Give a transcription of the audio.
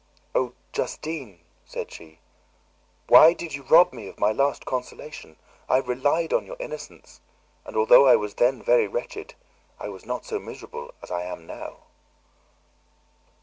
"Oh, Justine!" said she. "Why did you rob me of my last consolation? I relied on your innocence, and although I was then very wretched, I was not so miserable as I am now."